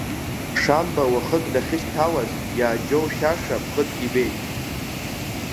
Шамба уахык дахьышьҭалаз, иааџьоушьаша ԥхыӡк ибеит.